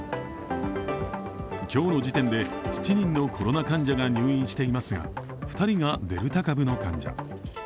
今日の時点で、７人のコロナ患者が入院していますが２人がデルタ株の患者。